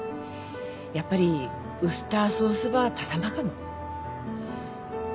やっぱりウスターソースば足さんばかも。